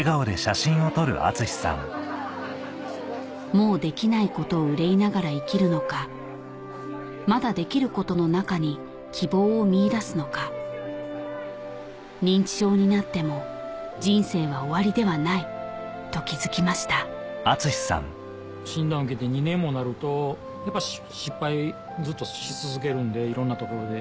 もうできないことをうれいながら生きるのかまだできることの中に希望を見いだすのか認知症になっても人生は終わりではないと気付きました診断を受けて２年もなるとやっぱ失敗ずっとし続けるんでいろんなところで。